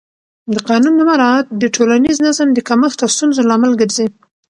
د قانون نه مراعت د ټولنیز نظم د کمښت او ستونزو لامل ګرځي